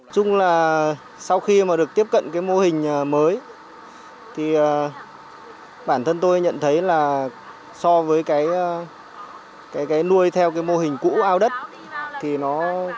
chung là sau khi mà được tiếp cận cái mô hình mới thì bản thân tôi nhận thấy là so với cái nuôi theo cái mô hình cũ ao đất thì nó